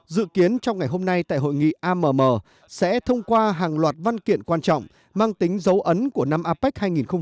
dự kiến trong ngày hôm nay tại hội nghị amm sẽ thông qua hàng loạt văn kiện quan trọng mang tính dấu ấn của năm apec hai nghìn hai mươi